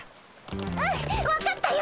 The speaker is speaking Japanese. うん分かったよ。